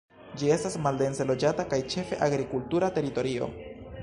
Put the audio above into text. Ĝi estas maldense loĝata kaj ĉefe agrikultura teritorio.